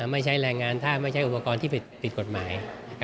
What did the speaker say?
ไม่ใช้แรงงานถ้าไม่ใช้อุปกรณ์ที่ผิดกฎหมาย